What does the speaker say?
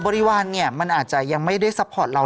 บริวารมันอาจจะยังไม่ได้ซัพพอร์ตเรา๑๐๐